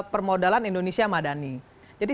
permodalan indonesia madani jadi